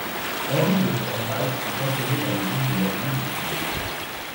Henri de Hermalle est enterré dans l'église de l'Abbaye de Flône.